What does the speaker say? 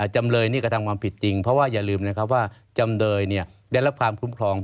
จำเลยนี่กระทำความผิดจริงเพราะว่าอย่าลืมนะครับว่าจำเลยได้รับความคุ้มครอง